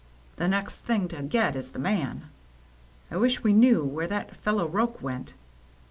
The next thing to get is the man. I wish we knew where that fellow Roche went.